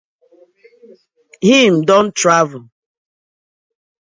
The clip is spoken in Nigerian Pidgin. Him don travel.